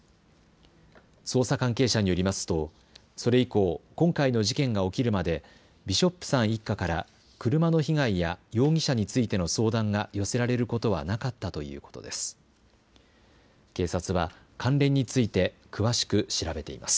捜査関係者によりますとそれ以降今回の事件が起きるまでビショップさん一家から車の被害や容疑者についての相談が寄せられることはなかったということです。